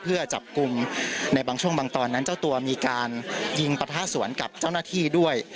เพื่อจับกลุ่มในบางช่วงบางตอนนั้นเจ้าตัวมีการยิงปะทะสวนกับเจ้าหน้าที่ด้วย